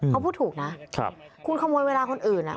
เขาพูดถูกนะคุณขโมยเวลาคนอื่น